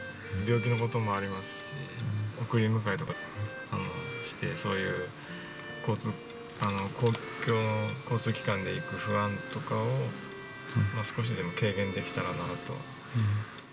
病気のこともありますし、送り迎えとかできるときはして、そういう公共交通機関で行く不安とかを少しでも軽減できたらなと。